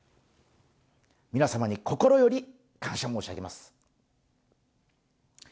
皆様に心より感謝申し上げます。